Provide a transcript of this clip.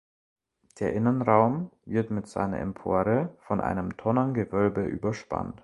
Der Innenraum wird mit seiner Empore von einem Tonnengewölbe überspannt.